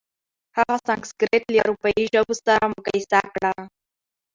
هغه سانسکریت له اروپايي ژبو سره مقایسه کړه.